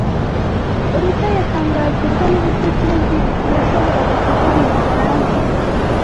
Ruta yatangajwe gato nuburyo Kirezi yashoboraga kuvuga igifaransa.